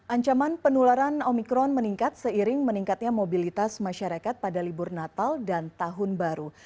ancaman penularan omikron meningkat seiring meningkatnya mobilitas masyarakat pada libur natal dan tahun baru